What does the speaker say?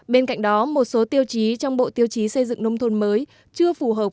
bên cạnh đó một số tiêu chí trong bộ tiêu chí xây dựng nông thôn mới chưa phù hợp